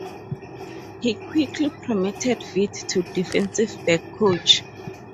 He quickly promoted Vitt to defensive backs coach.